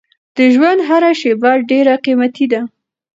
د ژوند هره شېبه ډېره قیمتي ده.